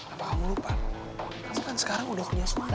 apa kamu lupa kamu kan sekarang udah punya semangat